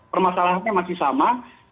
permasalahannya masih sama